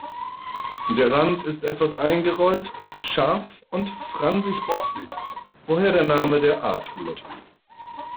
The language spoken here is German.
Der Rand ist etwas eingerollt, scharf und fransig-borstig, woher der Name der Art rührt.